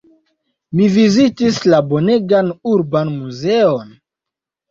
Mi vizitis la bonegan urban muzeon.